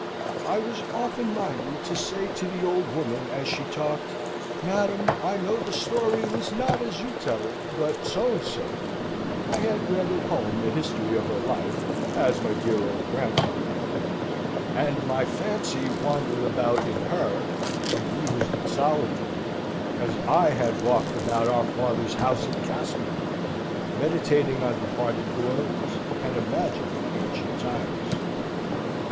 I was often minded to say to the old woman as she talked, "Madam, I know the story was not as you tell it, but so and so" (I had read at home the history of her life, as my dear old grandfather had wrote it): and my fancy wandered about in her, amused and solitary, as I had walked about our father's house at Castlewood, meditating on departed glories, and imagining ancient times.